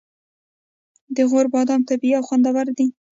د غور بادام طبیعي او خوندور دي.